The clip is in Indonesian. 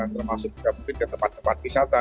termasuk juga mungkin ke tempat tempat wisata